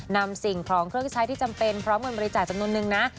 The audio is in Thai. นำสิ่งของเครื่องใช้ที่จำเป็นพร้อมเงินบริจาคจำนวนนึงนะ